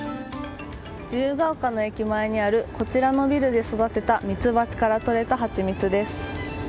自由が丘の駅前にあるこちらのビルで育てたミツバチから取れた蜂蜜です。